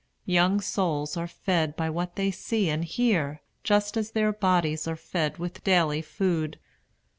Young souls are fed by what they see and hear, just as their bodies are fed with daily food.